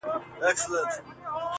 او د پېښي په اړه بېلابېل نظرونه ورکوي،